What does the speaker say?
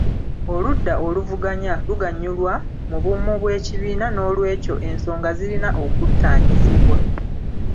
Oludda oluvuganya luganyulwa mu bumu bw'ekibiina n'olwekyo ensonga zirina okuttaanyizibwa.